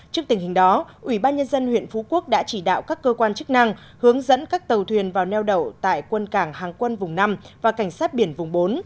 trước tình hình đó ủy ban nhân dân huyện phú quốc đã chỉ đạo các cơ quan chức năng hướng dẫn các tàu thuyền vào neo đậu tại quân cảng hàng quân vùng năm và cảnh sát biển vùng bốn